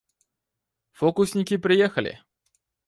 Фокусники приехали!